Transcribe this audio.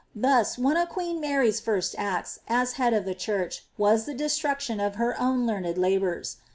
Thus, one of queen Mary's first acts, as Head of the Church, was the destruction of her own learned labours.